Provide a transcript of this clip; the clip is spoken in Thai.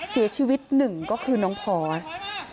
เสียชีวิต๑ก็คือน้องพอร์ส